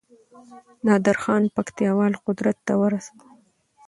نادرخان پکتياوالو قدرت ته ورساوه